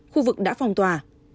khu vực đã phong tỏa